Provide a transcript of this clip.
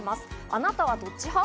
あなたはどっち派？